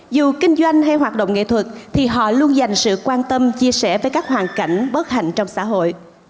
dù kinh doanh hay hoạt động nghệ thuật thì họ luôn dành sự quan tâm chia sẻ với các hoàn cảnh bất hạnh trong xã hội